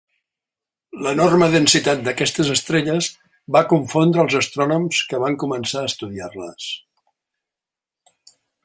L'enorme densitat d'aquestes estrelles va confondre els astrònoms que van començar a estudiar-les.